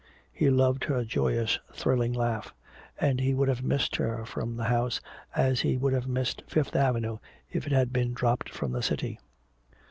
He loved her joyous thrilling laugh. And he would have missed her from the house as he would have missed Fifth Avenue if it had been dropped from the city.